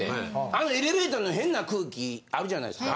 あのエレベーターの変な空気あるじゃないですか。